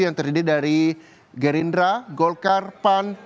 yang terdiri dari gerindra golkar pan